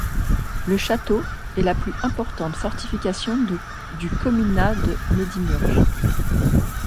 Le château est la plus importante fortification du Comitat de Međimurje.